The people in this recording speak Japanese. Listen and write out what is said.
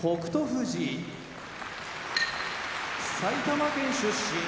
富士埼玉県出身